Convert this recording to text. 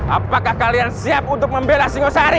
apakah kalian siap untuk membela singosari